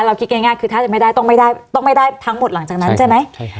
เราคิดง่ายคือถ้าจะไม่ได้ต้องไม่ได้ทั้งหมดหลังจากนั้นใช่ไหม